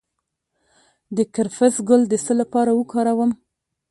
د کرفس ګل د څه لپاره وکاروم؟